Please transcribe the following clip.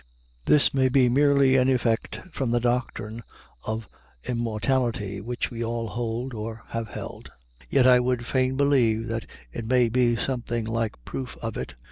This may be merely an effect from the doctrine of immortality which we all hold or have held, and yet I would fain believe that it may be something like proof of it.